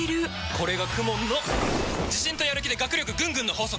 これがＫＵＭＯＮの自信とやる気で学力ぐんぐんの法則！